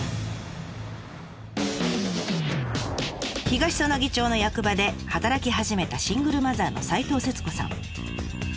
東彼杵町の役場で働き始めたシングルマザーの斎藤節子さん。